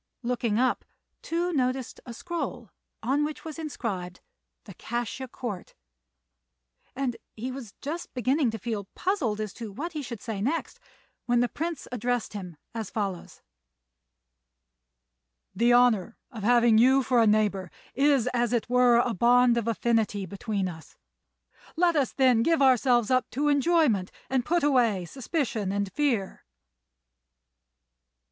Looking up, Tou noticed a scroll, on which was inscribed, The Cassia Court, and he was just beginning to feel puzzled as to what he should say next, when the Prince addressed him as follows: "The honour of having you for a neighbour is, as it were, a bond of affinity between us. Let us, then, give ourselves up to enjoyment, and put away suspicion and fear."